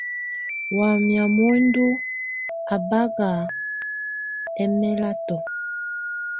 Wamɛ̀á muǝndù à baká ɛmɛlatɔ̀.